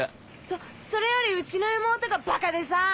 そそれよりうちの妹がバカでさぁ。